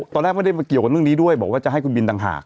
ตอนแรกไม่ได้มาเกี่ยวกับเรื่องนี้ด้วยบอกว่าจะให้คุณบินต่างหาก